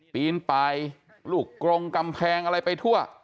ปีนไปลูกกรงกำแพงอะไรไปทั่ว